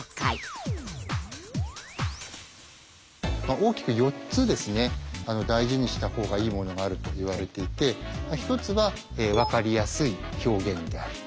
大きく４つ大事にしたほうがいいものがあるといわれていて１つはわかりやすい表現である。